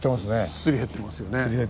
すり減ってますよね。